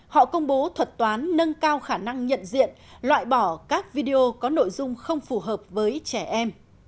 họ công bố thuật toán nâng cao khả năng nhận diện loại bỏ các video có nội dung không phù hợp với trẻ em